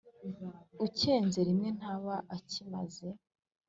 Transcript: Ucyenze rimwe ntaba akimaze.